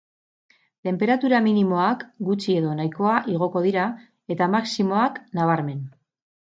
Tenperatura minimoak gutxi edo nahikoa igoko dira, eta maximoak, nabarmen.